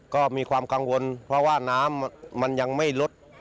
ก็มีความกังวลเพราะว่าน้ำมันยังไม่ลด